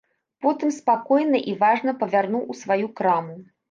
Потым спакойна і важна павярнуў у сваю краму.